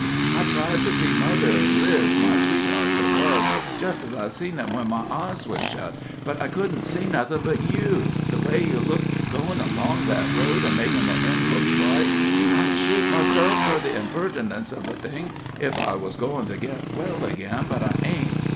I tried to see mother an' Liz, my sweetheart that was, just as I've seen 'em when my eyes was shut, but I couldn't see nothin' but you, the way you looked goin' along that road and makin' the End look bright. I'd shoot myself for the imperdence of the thing if I was goin' to get well again, but I ain't.